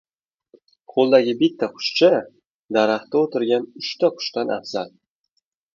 • Qo‘ldagi bitta qushcha daraxtda o‘tirgan uchta qushdan afzal.